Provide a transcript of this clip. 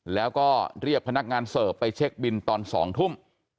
แล้วก็เรียกพนักงานเสิร์ฟไปเช็คบินตอน๒ทุ่ม